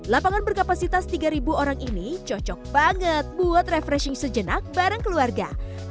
lapangan berkapasitas tiga orang ini cocok banget buat refreshing sejenak bareng keluarga